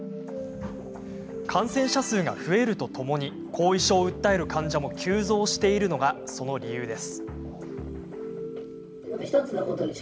感染者数が増えるとともに後遺症を訴える患者も急増しているのがその理由です。